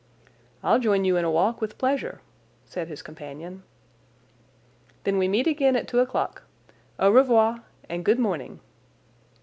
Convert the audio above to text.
"I'll join you in a walk, with pleasure," said his companion. "Then we meet again at two o'clock. Au revoir, and good morning!"